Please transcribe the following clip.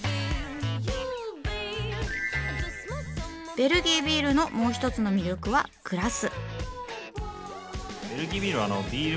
ベルギービールのもう一つの魅力はグラス。